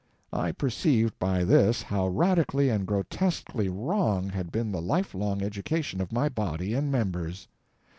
I perceived by this how radically and grotesquely wrong had been the life long education of my body and members.